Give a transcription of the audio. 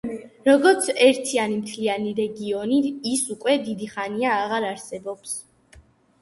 როგორც ერთიანი მთლიანი რეგიონი ის უკვე დიდი ხანია აღარ არსებობს.